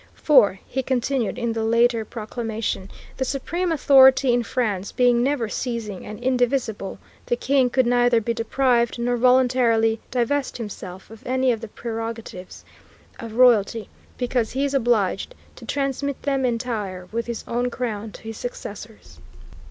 For, he continued in the later proclamation, "the supreme authority in France being never ceasing and indivisible, the King could neither be deprived nor voluntarily divest himself of any of the prerogatives of royalty, because he is obliged to transmit them entire with his own crown to his successors."